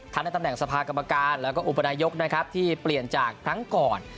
ในตำแหน่งสภากรรมการแล้วก็อุปนายกนะครับที่เปลี่ยนจากครั้งก่อน